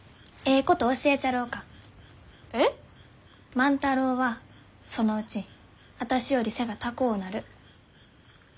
万太郎はそのうちあたしより背が高うなる。